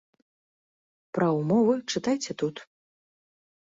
Пра ўмовы чытайце тут.